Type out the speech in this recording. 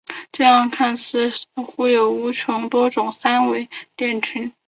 这样看来似乎有无穷多种三维点群。